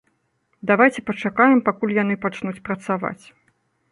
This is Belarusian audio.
Давайце пачакаем, пакуль яны пачнуць працаваць.